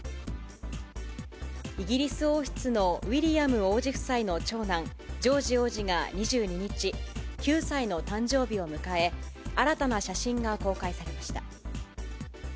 イギリス王室のウィリアム王子夫妻の長男、ジョージ王子が２２日、９歳の誕生日を迎え、新たな写真が公開されました。